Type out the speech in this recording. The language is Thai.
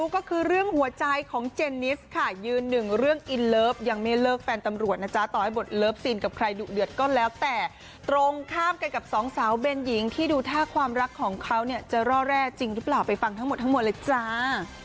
ก็คือเรื่องหัวใจของเจนนิสค่ะยืนหนึ่งเรื่องอินเลิฟยังไม่เลิกแฟนตำรวจนะจ๊ะต่อให้บทเลิฟซีนกับใครดุเดือดก็แล้วแต่ตรงข้ามกันกับสองสาวเบนหญิงที่ดูท่าความรักของเขาเนี่ยจะร่อแร่จริงหรือเปล่าไปฟังทั้งหมดทั้งหมดเลยจ้า